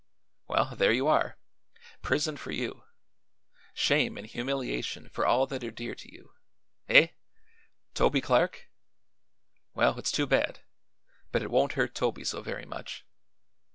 Well; there you are. Prison for you; shame and humiliation for all that are dear to you. Eh? Toby Clark? Well, it's too bad, but it won't hurt Toby so very much.